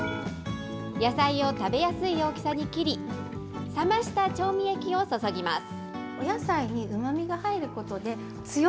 野菜を食べやすい大きさに切り、冷ました調味液を注ぎます。